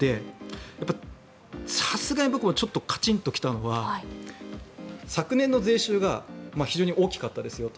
やっぱりさすがに僕もちょっとカチンときたのは昨年の税収が非常に大きかったですよと。